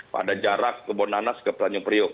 pada jarak ke bonanas ke pelanjung priok